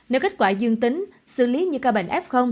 nếu kết quả dương tính xử lý như ca bệnh f